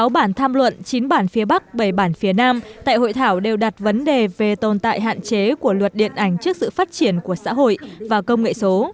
sáu bản tham luận chín bản phía bắc bảy bản phía nam tại hội thảo đều đặt vấn đề về tồn tại hạn chế của luật điện ảnh trước sự phát triển của xã hội và công nghệ số